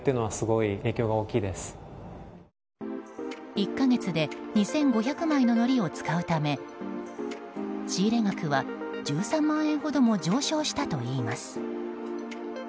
１か月で２５００枚ののりを使うため仕入れ額は１３万円ほども上昇したといいます。